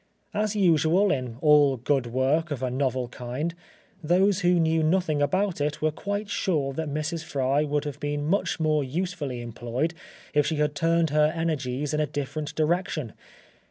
As usual in all good work of a novel kind, those who knew nothing about it were quite sure that Mrs. Fry would have been much more usefully employed if she had turned her energies in a different direction.